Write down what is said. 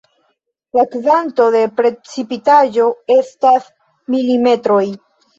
La kvanto de precipitaĵo estas milimetroj.